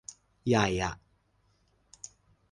ใหญ่อะ